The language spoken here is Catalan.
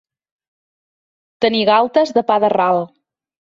Tenir galtes de pa de ral.